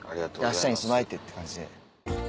あしたに備えてって感じで。